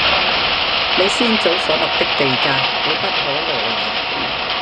你先祖所立的地界，你不可挪移